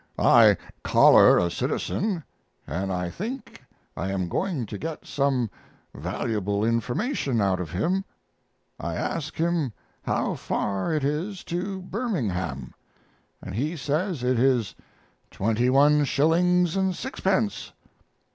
I collar a citizen, and I think I am going to get some valuable information out of him. I ask him how far it is to Birmingham, and he says it is twenty one shillings and sixpence.